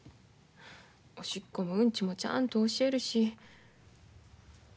おしっこもうんちもちゃんと教えるし。